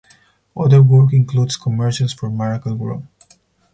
Other work includes commercials for Miracle-Gro.